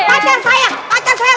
patek saya lepek